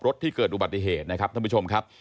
ที่เกิดอุบัติเหตุนะครับท่านผู้ชมครับ